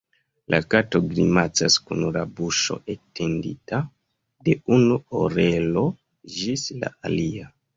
La kato grimacas kun la buŝo etendita de unu orelo ĝis la alia.